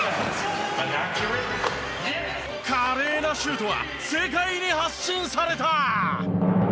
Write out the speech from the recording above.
華麗なシュートは世界に発信された！